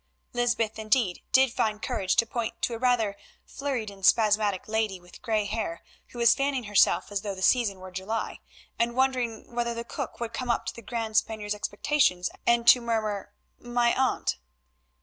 Lysbeth, indeed, did find courage to point to a rather flurried and spasmodic lady with grey hair who was fanning herself as though the season were July, and wondering whether the cook would come up to the grand Spaniard's expectations, and to murmur "My aunt."